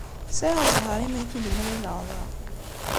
Sɛiɣ zzheṛ imi ay k-id-mlaleɣ da.